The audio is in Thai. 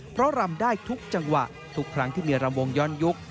เพราะรำได้ทุกจังหวะทุกครั้งที่มีรำวงย้อนยุค